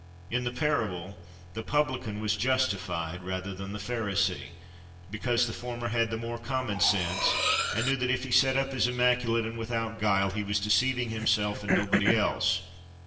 In the parable, the Publican was "justified" rather than the Pharisee, because the former had the more common sense, and knew that if he set up as immaculate and without guile he was deceiving himself and nobody else.